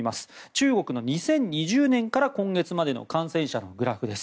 中国の２０２０年から今月までの感染者のグラフです。